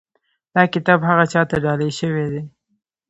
دا کتاب هغه چا ته ډالۍ شوی دی.